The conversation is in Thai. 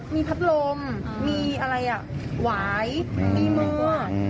มีพัดลมมีอะไรหวายมีมัว